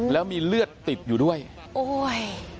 แล้วมีเลือดติดอยู่ด้วยโอ้ย